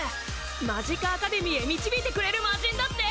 マジカアカデミーへ導いてくれるマジンだって！